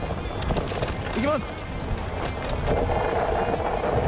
いきます。